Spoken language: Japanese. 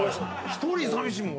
１人さみしいもん